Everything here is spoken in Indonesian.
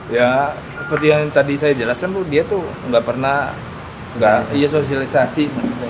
ya seperti yang tadi saya jelasin dia tuh gak pernah dia sosialisasi